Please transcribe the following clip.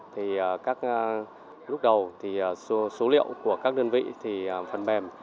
thì lúc đầu số liệu của các đơn vị thì phần mềm